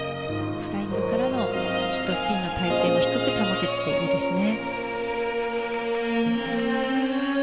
フライングからのシットスピンの体勢も低く保てていていいですね。